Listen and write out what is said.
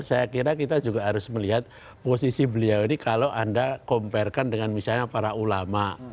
saya kira kita juga harus melihat posisi beliau ini kalau anda comparekan dengan misalnya para ulama